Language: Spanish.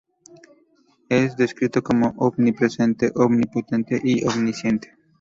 Es descrito como omnipresente, omnipotente y omnisciente.